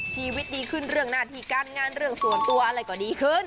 ชีวิตดีขึ้นเรื่องหน้าที่การงานเรื่องส่วนตัวอะไรก็ดีขึ้น